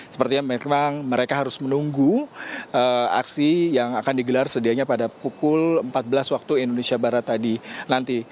sepertinya memang mereka harus menunggu aksi yang akan digelar sedianya pada pukul empat belas waktu indonesia barat tadi nanti